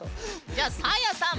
じゃあサーヤさん。